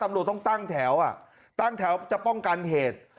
ตำรวจต้องตั้งแถวตั้งแถวจะป้องกันเหตุ